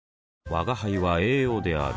吾輩は栄養である